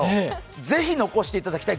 ぜひ残していただきたい。